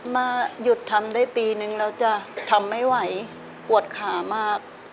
มาหยุดทำได้ปีนึงแล้วจะทำไม่ไหวปวดขามาก